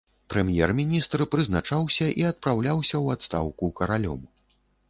Прэм'ер-міністр прызначаўся і адпраўляўся ў адстаўку каралём.